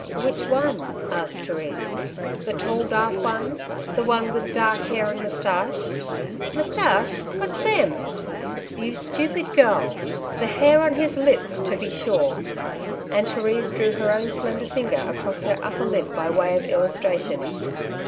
^''' Which one ?'' asked Therese. '' The tall, dark one ; the one with dark hair and moustache ?*''^ Moustache ? what's them ?'* ^'You stupid girl! The hair on his lip, to be sure;*' and Therise drew her own slender finger across her upper lip by way of illustration.